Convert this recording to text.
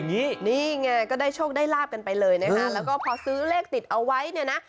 นี่นี่ไงก็ได้โชคได้ลาบกันไปเลยนะคะแล้วก็พอซื้อเลขติดเอาไว้เนี่ยนะ